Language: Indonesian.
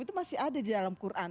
itu masih ada di dalam quran